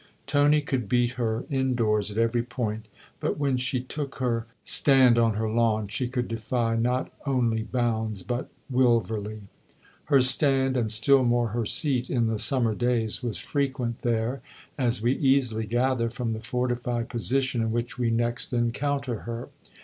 Tony could beat her indoors at every point, but when she took her stand on her lawn she could defy not only Bounds but Wilverley. Her stand, and still more her seat, in the summer days, was frequent there, as we easily gather from the fortified position in which we next encounter her.